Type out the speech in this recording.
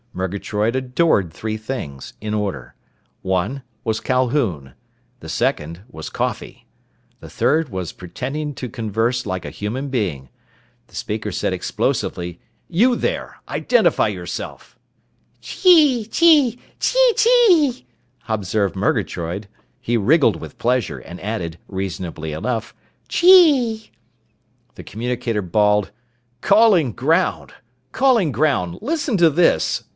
Murgatroyd adored three things, in order. One was Calhoun. The second was coffee. The third was pretending to converse like a human being. The speaker said explosively, "You there, identify yourself!" "Chee chee chee chee!" observed Murgatroyd. He wriggled with pleasure and added, reasonably enough, "Chee!" The communicator bawled, "Calling ground! Calling ground! Listen to this!